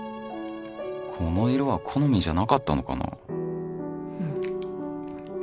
この色は好みじゃなかったのかな